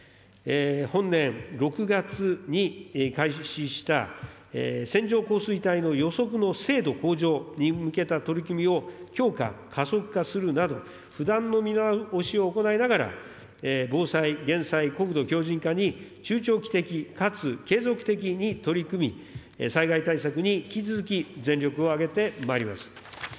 本年６月に開始した線状降水帯の予測の精度向上に向けた取り組みを強化、加速化するなど、不断の見直しを行いながら、防災・減災、国土強じん化に中長期的かつ継続的に取り組み、災害対策に引き続き全力を挙げてまいります。